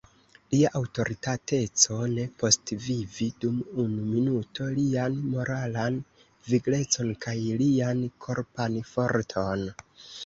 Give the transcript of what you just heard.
Lia aŭtoritateco ne postvivis dum unu minuto lian moralan viglecon kaj lian korpan forton.